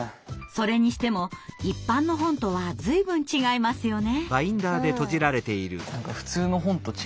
それにしても一般の本とは随分違いますよね。